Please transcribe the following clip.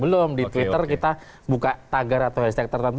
belum di twitter kita buka tagar atau hashtag tertentu